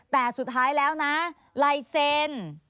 แต่สุดท้ายแล้วนะลายเซ็น